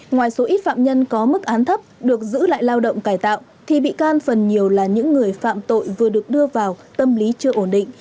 ngoài số ít phạm nhân có mức án thấp được giữ lại lao động cải tạo thì bị can phần nhiều là những người phạm tội vừa được đưa vào tâm lý chưa ổn định